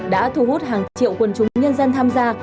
đã thu hút hàng triệu quân chúng nhân dân tham gia